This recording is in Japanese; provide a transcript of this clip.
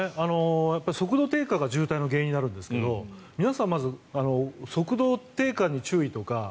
速度低下が渋滞の原因になるんですが皆さんまず速度低下に注意とか